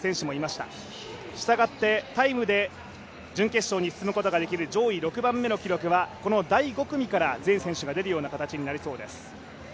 したがって、タイムで準決勝に進むことができる上位６番目の記録はこの第６組から全選手が出る見込みです。